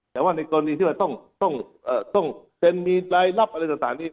แต่ว่าในกรณีที่ว่าต้องเซ็นมีรายลับอะไรต่างนี้